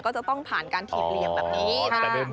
ก็จะต้องผ่านการถีบเหลี่ยมแบบนี้